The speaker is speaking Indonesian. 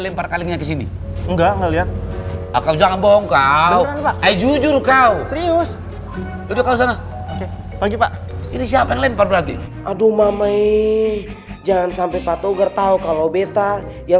sampai jumpa di video selanjutnya